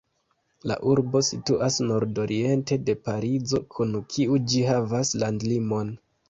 La urbo situas nordoriente de Parizo, kun kiu ĝi havas landlimon.